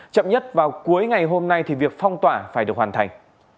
chậm nhất vào cuối ngày hôm nay thì việc phong tỏa phải được hoàn thành